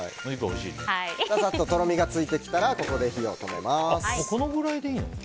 さっととろみがついてきたらここで火を止めます。